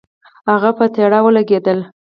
هغه په تړه ولګېدله.